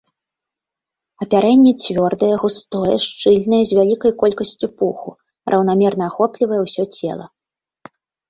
Апярэнне цвёрдае, густое, шчыльнае з вялікай колькасцю пуху, раўнамерна ахоплівае ўсё цела.